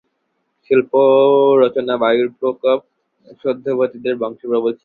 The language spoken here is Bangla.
শিল্পরচনাবায়ুর প্রকোপ সত্যবতীদের বংশে প্রবল ছিল।